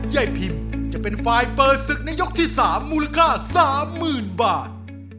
ยายพิมจะเป็นฝ่ายเปิดศึกในยกที่๓มูลค่า๓๐๐๐บาท